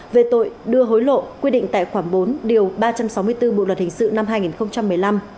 về tội đưa hối lộ quy định tại khoảng bốn điều ba trăm sáu mươi bốn bộ luật hình sự năm hai nghìn một mươi năm